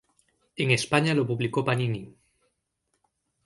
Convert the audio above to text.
En España lo publicó Panini.